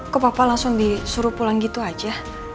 kok papa langsung disuruh pulang gitu aja